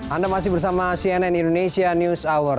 anda masih bersama cnn indonesia news hour